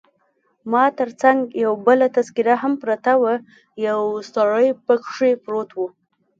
ما تر څنګ یو بله تذکیره هم پرته وه، یو سړی پکښې پروت وو.